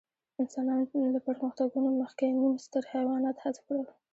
انسانانو له پرمختګونو مخکې نیم ستر حیوانات حذف کړل.